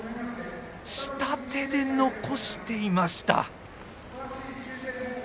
下手で残していました。